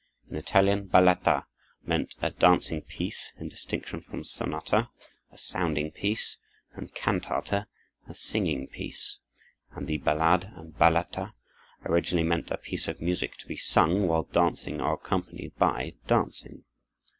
In Italian, ballata meant a dancing piece, in distinction from sonata, a sounding piece, and cantata, a singing piece; and the ballade and ballata originally meant a piece of music to be sung while dancing or accompanied by dancing.